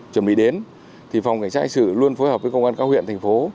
chuẩn bị đến thì phòng cảnh sát hành sự luôn phối hợp với công an các huyện thành phố